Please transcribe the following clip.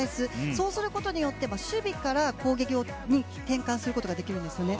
そうすることによって守備から攻撃に転換することができるんですね。